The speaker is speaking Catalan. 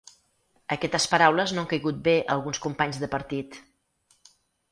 Aquestes paraules no han caigut bé a alguns companys de partit.